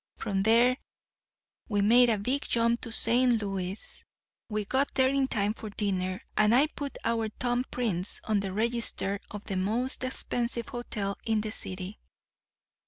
From there we made a big jump to St. Louis. We got there in time for dinner; and I put our thumb prints on the register of the most expensive hotel in the city.